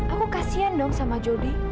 aku kasian dong sama jody